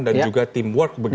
dan juga teamwork